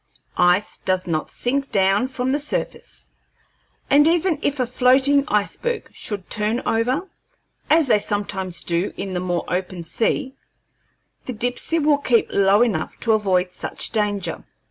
Ice does not sink down from the surface, and even if a floating iceberg should turn over, as they sometimes do in the more open sea, the Dipsey will keep low enough to avoid such danger.